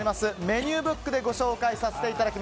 メニューブックで紹介します。